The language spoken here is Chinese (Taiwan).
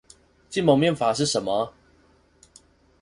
禁蒙面法是什麼？